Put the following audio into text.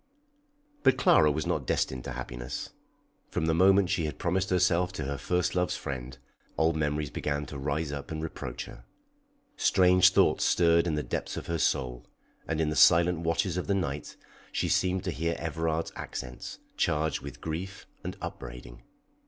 But Clara was not destined to happiness. From the moment she had promised herself to her first love's friend, old memories began to rise up and reproach her. Strange thoughts stirred in the depths of her soul, and in the silent watches of the night she seemed to hear Everard's accents, charged with grief and upbraiding.